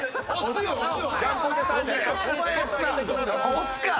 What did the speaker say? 押すから！